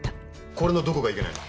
これのどこがいけないの？